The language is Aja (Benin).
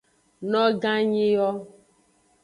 Noganyi yo.